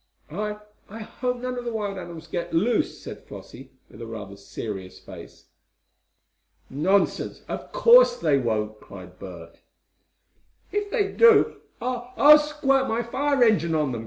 "I I hope none of the wild animals get loose," said Flossie, with rather a serious face. "Nonsense! Of course they won't!" cried Bert. "If they do, I I'll squirt my fire engine on them!"